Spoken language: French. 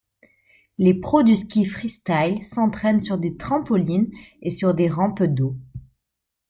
Les pros du ski freestyle s'entraînent sur des trampolines et sur des rampes d'eau.